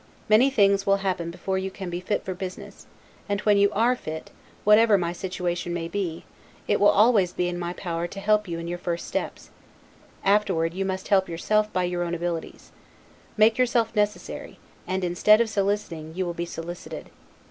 Many things will happen before you can be fit for business; and when you are fit, whatever my situation may be, it will always be in my power to help you in your first steps; afterward you must help yourself by your own abilities. Make yourself necessary, and, instead of soliciting, you will be solicited.